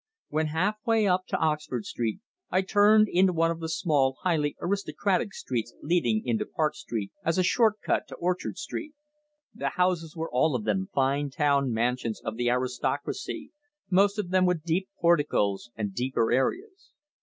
When half way up to Oxford Street I turned into one of the small, highly aristocratic streets leading into Park Street as a short cut to Orchard Street. The houses were all of them fine town mansions of the aristocracy, most of them with deep porticos and deeper areas.